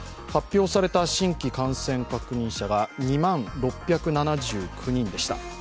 発表された新規感染確認者は２万６７９人でした。